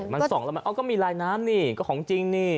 มันส่องแล้วมันก็มีลายน้ำนี่ก็ของจริงนี่